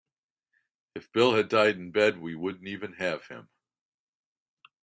If Bill had died in bed we wouldn't even have him.